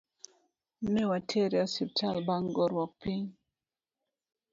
Newatere e osiptal bang goruok piny.